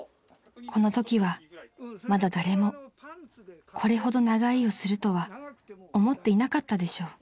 ［このときはまだ誰もこれほど長居をするとは思っていなかったでしょう］